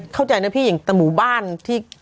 เข้าใจนะพี่อย่างแต่หมู่บ้านที่